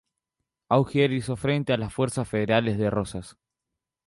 Augier hizo frente a las fuerzas federales de Rosas.